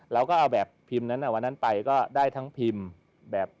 เราก็เอาแบบพิมพ์นั้นวันนั้นไปก็ได้ทั้งพิมพ์แบบ